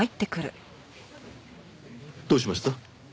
どうしました？